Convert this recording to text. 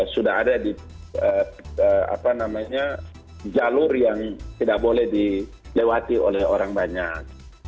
sudah ada di jalur yang tidak boleh dilewati oleh orang banyak